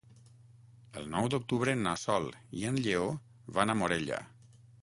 El nou d'octubre na Sol i en Lleó van a Morella.